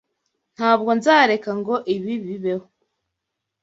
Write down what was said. Ntabwo nzareka ngo ibi bibeho.